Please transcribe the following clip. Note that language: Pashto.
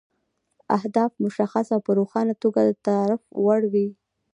اهداف باید مشخص او په روښانه توګه د تعریف وړ وي.